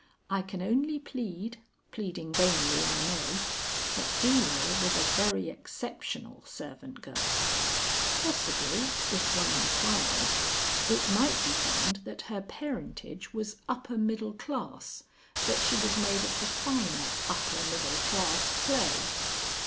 I can only plead (pleading vainly, I know), that Delia was a very exceptional servant girl. Possibly, if one enquired, it might be found that her parentage was upper middle class that she was made of the finer upper middle class clay.